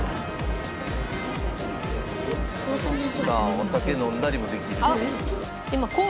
お酒飲んだりもできる。